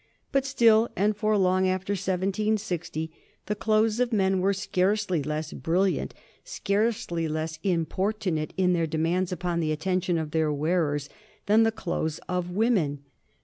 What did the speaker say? But still, and for long after 1760, the clothes of men were scarcely less brilliant, scarcely less importunate in their demands upon the attention of their wearers, than the clothes of women.